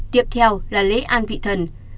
tiếp theo là lễ an vị thần